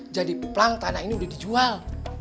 jadi pelang tanah ini udah dijual